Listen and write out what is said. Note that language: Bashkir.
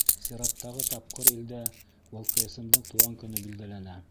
Сираттағы тапҡыр илдә ВЛКСМ-дың тыуған көнө билдәләнә.